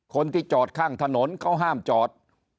คนที่จอดข้างถนนเขาห้ามจอด